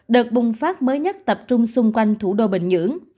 đợt bùng phát mới nhất tập trung xung quanh thủ đô bình nhưỡng